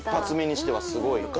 一発目にしてはすごい。